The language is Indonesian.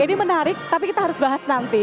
ini menarik tapi kita harus bahas nanti